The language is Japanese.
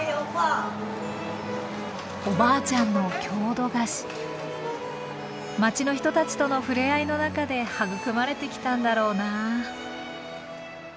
おばあちゃんの郷土菓子街の人たちとのふれあいの中で育まれてきたんだろうな。